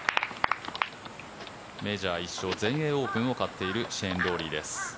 メジャー１勝全英オープンを勝っているシェーン・ローリーです。